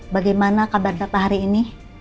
bagaimana kabar bapak hari ini